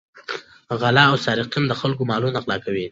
غله او سارقین د خلکو مالونه غلا کوي.